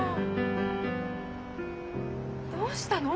どうしたの？